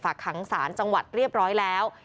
ขังศาลจังหวัดเรียบร้อยแล้ว